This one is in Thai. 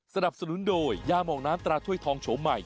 สนับสนุนโดยยามองน้ำตราถ้วยทองโฉมใหม่